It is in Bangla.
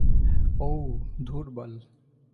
ওউ, ধুর বাল।